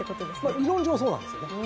理論上はそうなんですよね。